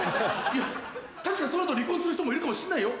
確かにその後離婚する人もいるかもしれないよ。